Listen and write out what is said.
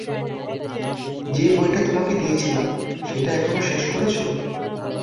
যে বইটা তোমাকে দিয়েছিলাম, সেটা এখনো শেষ করেছ?